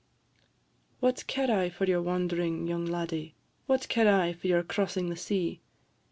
"What care I for your wand'ring, young laddie? What care I for your crossing the sea?